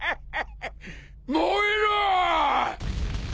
燃えろ！